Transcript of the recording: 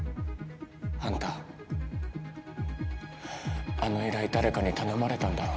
あんたあの依頼誰かに頼まれたんだろ？